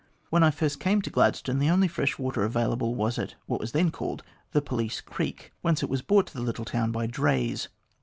When I first came to Gladstone, the only fresh water available was at what was then called the Police Creek, whence it was brought to the little town by drays.